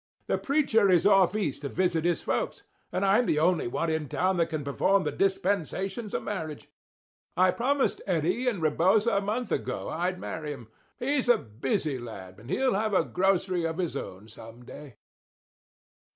The preacher is off East to visit his folks, and I'm the only one in town that can perform the dispensations of marriage. I promised Eddie and Rebosa a month ago I'd marry 'em. He's a busy lad; and he'll have a grocery of his own some day."